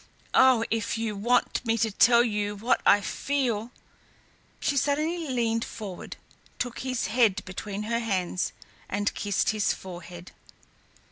Oh! if you want me to tell you what I feel " She suddenly leaned forward, took his head between her hands and kissed his forehead.